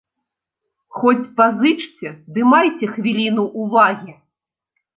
Хоць пазычце, ды майце хвіліну ўвагі.